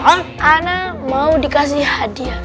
ana mau dikasih hadiah